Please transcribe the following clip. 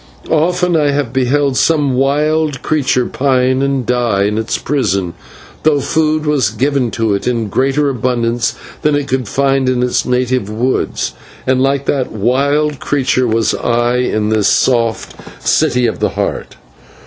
Often I have beheld some wild creature pine and die in its prison, though food was given to it in greater abundance than it could find in its native woods, and like that wild creature was I in this soft City of the Heart.